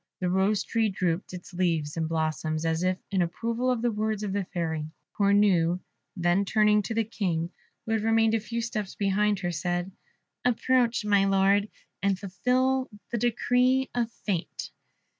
The Rose tree drooped its leaves and blossoms, as if in approval of the words of the Fairy. Cornue then turning to the King, who had remained a few steps behind her, said, "Approach, my Lord, and fulfil the decree of fate."